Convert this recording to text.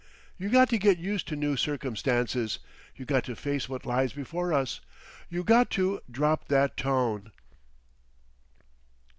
You got to get used to new circumstances. You got to face what lies before us. You got to drop that tone."